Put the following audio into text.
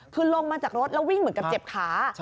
คือลงมาจากรถแล้ววิ่งเหมือนกับเจ็บขา